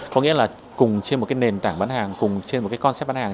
có nghĩa là cùng trên một nền tảng bán hàng cùng trên một concept bán hàng